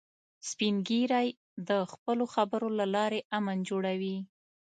سپین ږیری د خپلو خبرو له لارې امن جوړوي